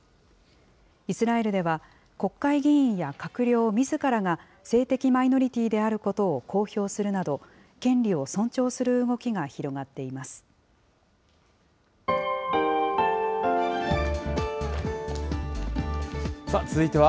イスラエルでは、国会議員や閣僚みずからが性的マイノリティーであることを公表するなど、権利を尊重する動きが広がっています。